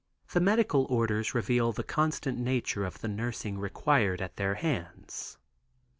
The medical orders reveal the constant nature of the nursing required at their hands.